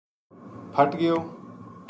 پھٹ گیو